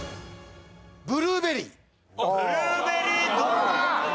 ブルーベリーどうだ？